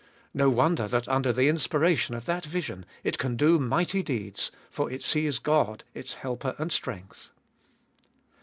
No wonder that under the inspira tion of that Vision it can do mighty deeds, for it sees God its helper and strength.